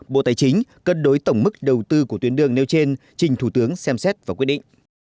bộ tài chính cân đối tổng mức đầu tư của tuyến đường nêu trên trình thủ tướng xem xét và quyết định